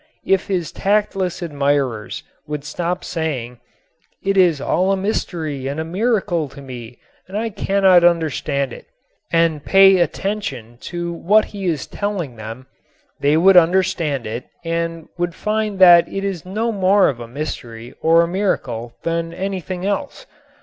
If his tactless admirers would stop saying "it is all a mystery and a miracle to me, and I cannot understand it" and pay attention to what he is telling them they would understand it and would find that it is no more of a mystery or a miracle than anything else.